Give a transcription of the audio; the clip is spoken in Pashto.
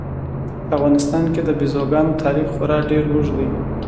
په افغانستان کې د بزګانو تاریخ خورا ډېر اوږد دی.